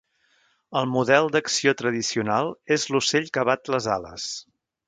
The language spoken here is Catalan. El model d'acció tradicional és l'ocell que bat les ales.